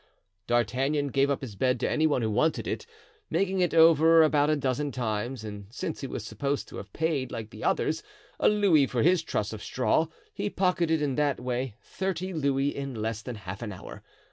D'Artagnan gave up his bed to any one who wanted it, making it over about a dozen times; and since he was supposed to have paid, like the others, a louis for his truss of straw, he pocketed in that way thirty louis in less than half an hour.